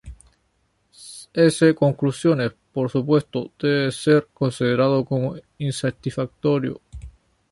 S conclusiones, por supuesto, debe ser considerado como insatisfactorio.